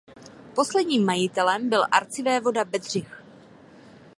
Posledním majitelem byl arcivévoda Bedřich.